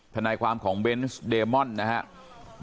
ทนายความของเบนส์เดมอนนะครับ